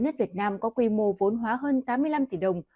vnvn có quy mô vốn hóa hơn tám mươi năm tỷ đồng